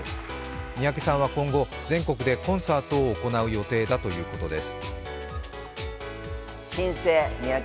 三宅さんは今後、全国でコンサートを行う予定だということです。